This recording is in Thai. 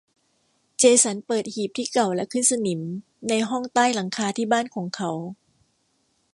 เจสันเปิดหีบที่เก่าและขึ้นสนิมในห้องใต้หลังคาที่บ้านของเขา